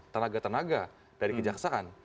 tenaga tenaga dari kejaksaan